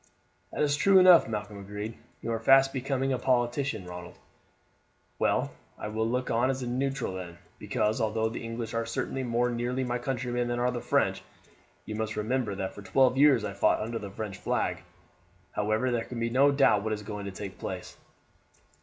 "That is true enough," Malcolm agreed. "You are fast becoming a politician, Ronald. Well, I will look on as a neutral then, because, although the English are certainly more nearly my countrymen than are the French, you must remember that for twelve years I fought under the French flag. However, there can be no doubt what is going to take place.